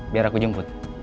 biar aku jemput